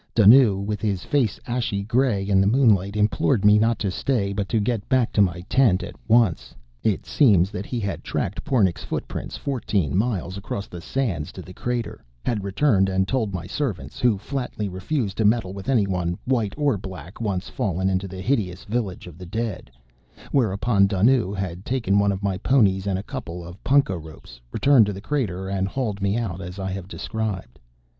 Dunnoo, with his face ashy grey in the moonlight, implored me not to stay but to get back to my tent at once. It seems that he had tracked Pornic's footprints fourteen miles across the sands to the crater; had returned and told my servants, who flatly refused to meddle with any one, white or black, once fallen into the hideous Village of the Dead; whereupon Dunnoo had taken one of my ponies and a couple of punkah ropes, returned to the crater, and hauled me out as I have described.